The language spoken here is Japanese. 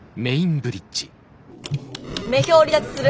女豹を離脱する！